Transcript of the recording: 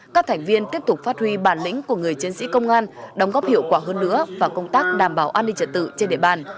các thành viên tiếp tục phát huy bản lĩnh của người chiến sĩ công an đóng góp hiệu quả hơn nữa vào công tác đảm bảo an ninh trật tự trên địa bàn